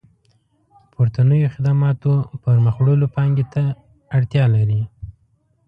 پورتنيو خدماتو پرمخ وړلو پانګې اړتيا لري.